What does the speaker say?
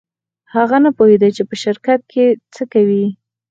هغه نه پوهېده چې په شرکت کې څه کوي.